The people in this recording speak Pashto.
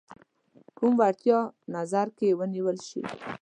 کوم وړتیا نظر کې ونیول شي.